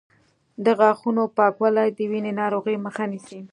د غاښونو پاکوالی د وینې ناروغیو مخه نیسي.